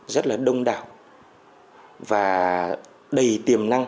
rất là đông đảo và đầy tiềm năng